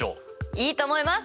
いいと思います！